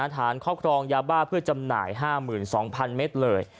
ครอบครองยาบ้าเพื่อจำหน่าย๕๒๐๐๐เมตรเลย